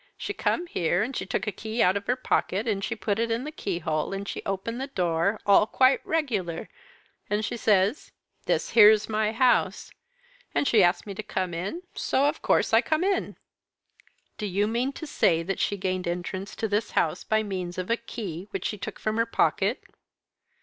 She come here, and she took a key out of her pocket, and she put it in the keyhole, and she opened the door, all quite regular, and she says, 'This here's my house,' and she asked me to come in, so of course I come in." "Do you mean to say that she gained entrance to this house by means of a key which she took from her pocket?"